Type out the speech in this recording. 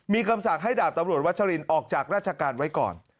มีคำสั่งให้ดาบตำรวจวัชรินออกจากราชการไว้ก่อน